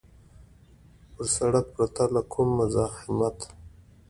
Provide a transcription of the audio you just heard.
پر سړک پرته له کوم مزاحمته.